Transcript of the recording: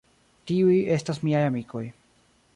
Tiuj estas miaj amikoj.